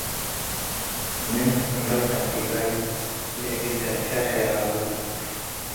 ምን አምበል ከንቴባይ - ለእግል ጋሻይ ሕራቡ